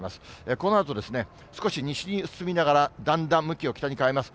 このあとですね、少し西に進みながらだんだん向きを北に変えます。